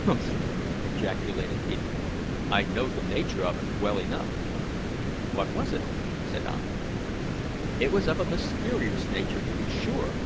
"Humph!" ejaculated Peterkin, "I know the nature of it well enough." "What was it?" said I. "It was of a mysterious nature, to be sure!"